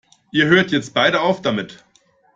Ihr hört jetzt beide auf damit!